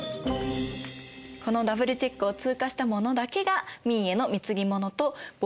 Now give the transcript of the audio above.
このダブルチェックを通過した者だけが明への貢ぎ物と貿易を許されました。